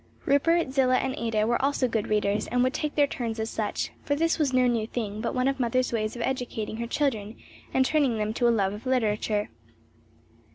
Rupert, Zillah and Ada were also good readers, and would take their turns as such; for this was no new thing, but one of the mother's ways of educating her children and training them to a love of literature.